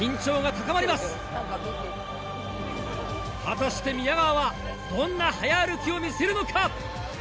果たして宮川はどんな早歩きを見せるのか？